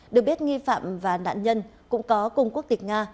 được biết nghi phạm và nạn nhân cũng có cùng quốc tịch nga